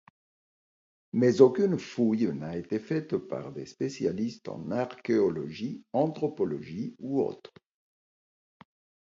Mais aucune fouille n'a été faite par des spécialistes en archéologie, anthropologie ou autres...